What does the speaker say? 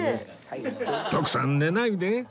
徳さん寝ないで